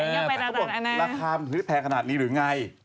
เขาบอกว่าราคามันถือแพงขนาดนี้หรืออย่างไร